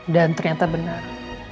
dan ternyata benar